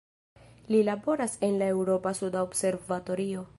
Li laboras en la Eŭropa suda observatorio.